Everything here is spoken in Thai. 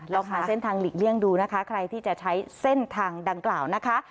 หาเส้นทางหลีกเลี่ยงดูนะคะใครที่จะใช้เส้นทางดังกล่าวนะคะ